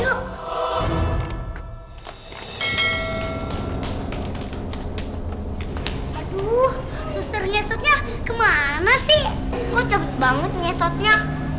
aduh suster nyesotnya kemana sih kok cabut banget nyesotnya